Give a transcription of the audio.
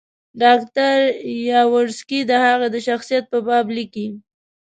ډاکټر یاورسکي د هغه د شخصیت په باب لیکي.